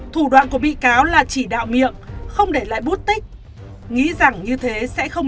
thủ đoạn của bị cáo là chỉ đạo miệng không để lại bút tích nghĩ rằng như thế sẽ không